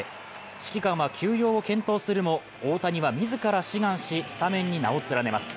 指揮官は休養を検討するも大谷は自ら志願しスタメンに名を連ねます。